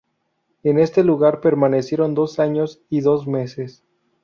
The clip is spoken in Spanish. En este lugar permanecieron dos años y dos meses.